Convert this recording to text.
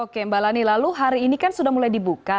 oke mbak lani lalu hari ini kan sudah mulai dibuka